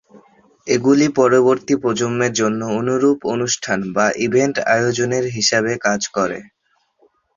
এগুলি পরবর্তী প্রজন্মের জন্য অনুরূপ অনুষ্ঠান বা ইভেন্ট আয়োজনের হিসাবে কাজ করে।